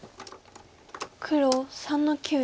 黒３の九。